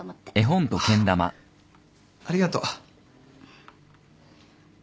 あっありがとう。